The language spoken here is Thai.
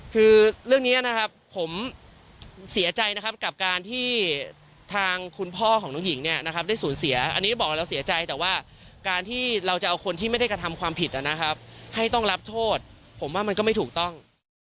คือเรื่องนี้นะครับผมเสียใจนะครับกับการที่ทางคุณพ่อของน้องหญิงเนี่ยนะครับได้สูญเสียอันนี้บอกแล้วเสียใจแต่ว่าการที่เราจะเอาคนที่ไม่ได้กระทำความผิดนะครับให้ต้องรับโทษผมว่ามันก็ไม่ถูกต้อง